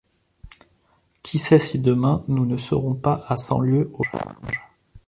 Qui sait si demain nous ne serons pas à cent lieues au large ?